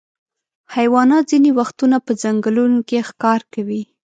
حیوانات ځینې وختونه په ځنګلونو کې ښکار کوي.